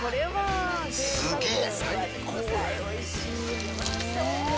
すげえ！